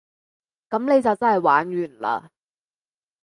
噉你就真係玩完嘞